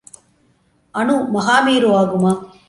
அணு மகா மேரு ஆகுமா?